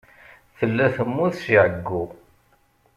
Tella temmut si ɛeyyu.